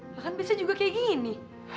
bahan biasa juga kayak gini